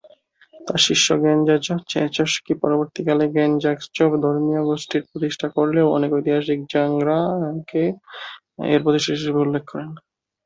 তার শিষ্য গ্যা'-ব্জাং-ছোস-র্জে-ছোস-ক্যি-স্মোন-লাম পরবর্তীকালে গ্যা'-ব্জাং-ব্কা'-ব্র্গ্যুদ ধর্মীয় গোষ্ঠীর প্রতিষ্ঠা করলেও অনেক ঐতিহাসিক জ্বা-রা-বা-স্কাল-ল্দান-য়ে-শেস-সেং-গেকে এর প্রতিষ্ঠাতা হিসেবে উল্লেখ করেন।